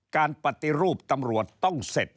การปฏิรูปตำรวจต้องเสร็จ